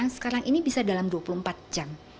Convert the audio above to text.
sekarang ini bisa dalam dua puluh empat jam